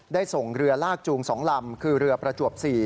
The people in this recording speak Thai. ส่งเรือลากจูง๒ลำคือเรือประจวบ๔